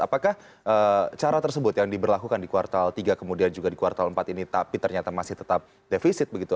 apakah cara tersebut yang diberlakukan di kuartal tiga kemudian juga di kuartal empat ini tapi ternyata masih tetap defisit begitu